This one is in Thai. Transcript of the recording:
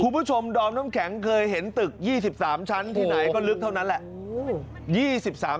ดอมน้ำแข็งเคยเห็นตึก๒๓ชั้นที่ไหนก็ลึกเท่านั้นแหละ